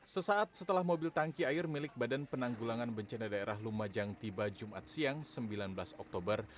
sesaat setelah mobil tangki air milik badan penanggulangan bencana daerah lumajang tiba jumat siang sembilan belas oktober